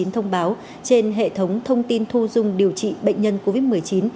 thông báo trên hệ thống thông tin thu dung điều trị bệnh nhân covid một mươi chín